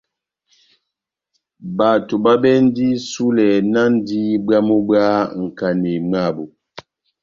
Bato babɛndi isulɛ náhndi bwamu bwá nkanéi mwabu.